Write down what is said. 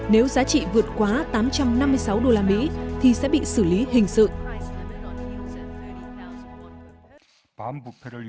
nếu giá trị vượt quá tám trăm năm mươi sáu đô la mỹ thì sẽ bị xử lý hình sự